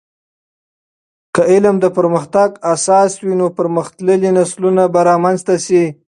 که علم د پرمختګ اساس وي، نو پرمختللي نسلونه به رامنځته سي.